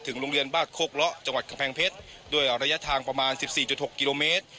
โรงเรียนบ้านโคกเลาะจังหวัดกำแพงเพชรด้วยระยะทางประมาณ๑๔๖กิโลเมตร